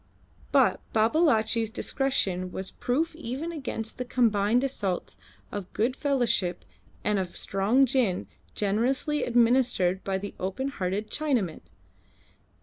But Babalatchi's discretion was proof even against the combined assaults of good fellowship and of strong gin generously administered by the open hearted Chinaman.